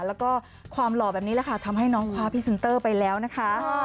แล้วก็ความหล่อแบบนี้แหละค่ะทำให้น้องคว้าพรีเซนเตอร์ไปแล้วนะคะ